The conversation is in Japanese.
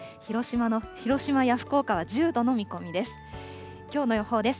広島や福岡は１０度の見込みです。